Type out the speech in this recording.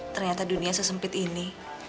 ternyata dunia sesempit ini